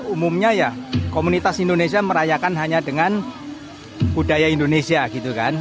umumnya ya komunitas indonesia merayakan hanya dengan budaya indonesia gitu kan